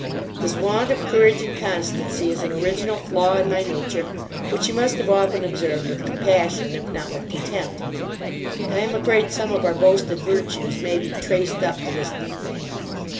This want of courage and constancy is an original flaw in my nature, which you must have often observed with compassion, if not with contempt. I am afraid some of our boasted virtues maybe traced up to this defect.